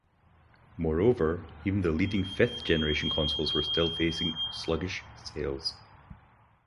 Moreover, even the leading fifth generation consoles were still facing sluggish sales.